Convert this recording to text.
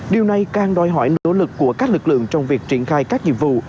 điều này càng đòi hỏi nỗ lực của các lực lượng trong việc triển khai các nhiệm vụ